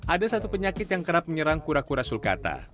ada satu penyakit yang kerap menyerang kura kura sulkata